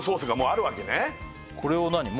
これを何？